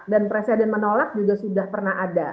dan presiden menolak juga sudah pernah ada